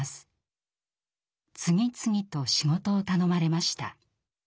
次々と仕事を頼まれました。